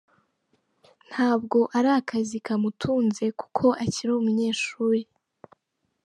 Ntabwo ari akazi kamutunze kuko akiri umunyeshuri.